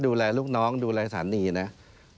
ดูแลลูกน้องดูแลศาลีนะครับ